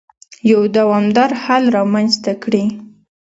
يو دوامدار حل رامنځته کړي.